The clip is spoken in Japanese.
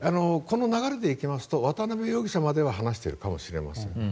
この流れで行きますと渡邉容疑者までは話しているかもしれません。